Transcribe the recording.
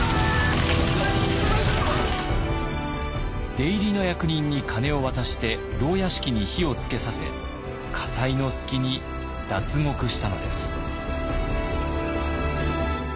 出入りの役人に金を渡して牢屋敷に火をつけさせ火災の隙に脱獄したのです。